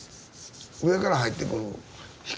上から入ってくる光だけ。